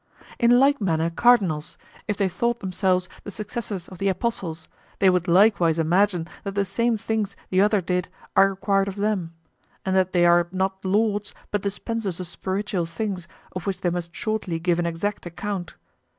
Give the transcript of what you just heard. In like manner cardinals, if they thought themselves the successors of the apostles, they would likewise imagine that the same things the other did are required of them, and that they are not lords but dispensers of spiritual things of which they must shortly give an exact account.